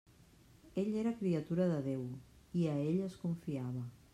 Ell era criatura de Déu, i a Ell es confiava.